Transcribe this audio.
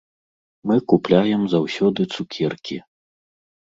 Мы купляем заўсёды цукеркі.